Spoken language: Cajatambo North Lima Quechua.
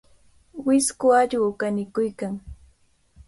Wisku allqu kanikuykan.